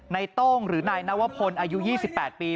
โต้งหรือนายนวพลอายุ๒๘ปี